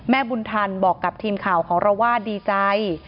บุญทันบอกกับทีมข่าวของเราว่าดีใจ